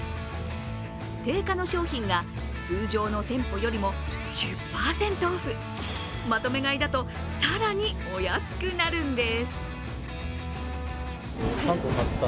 定価の商品が通常の店舗よりも１０％オフ、まとめ買いだと更にお安くなるんです。